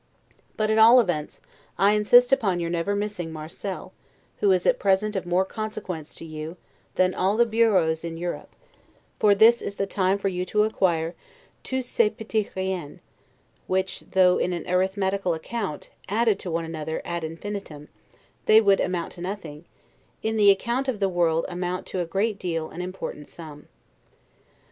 But, at all events, I insist upon your never missing Marcel, who is at present of more consequence to you than all the bureaux in Europe; for this is the time for you to acquire 'tous ces petits riens', which, though in an arithmetical account, added to one another 'ad infinitum', they would amount to nothing, in the account of the world amount to a great and important sum.